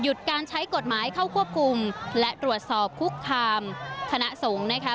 การใช้กฎหมายเข้าควบคุมและตรวจสอบคุกคามคณะสงฆ์นะคะ